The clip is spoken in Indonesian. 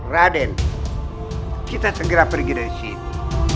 raden kita segera pergi dari sini